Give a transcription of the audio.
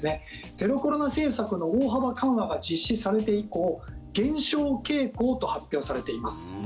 ゼロコロナ政策の大幅緩和が実施されて以降減少傾向と発表されています。